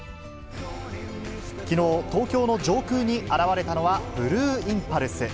きのう、東京の上空に現れたのはブルーインパルス。